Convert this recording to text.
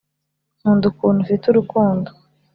nkunda ukuntu ufite urukundo.